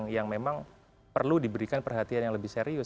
yang memang perlu diberikan perhatian yang lebih serius